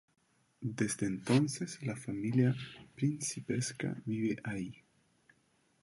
Desde entonces la familia principesca vive ahí.